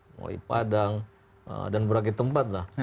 mulai padang dan berbagai tempat lah